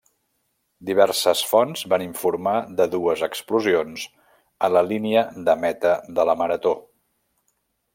Diverses fonts van informar de dues explosions a la línia de meta de la marató.